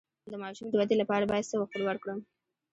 د ماشوم د ودې لپاره باید څه ورکړم؟